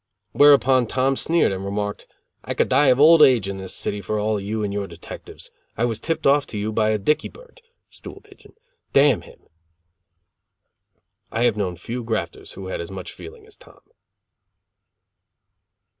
Whereupon Tom sneered and remarked: "I could die of old age in this city for all of you and your detectives. I was tipped off to you by a Dicky Bird (stool pigeon) damn him!" I have known few grafters who had as much feeling as Tom.